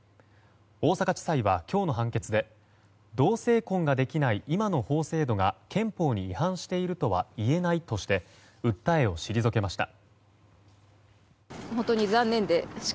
大阪地裁は、今日の判決で同性婚ができない今の法制度が憲法に違反しているとは言えないとして訴えを退けました。